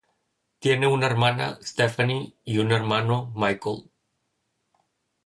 Tiene una hermana, Stefanie, y un hermano, Michael.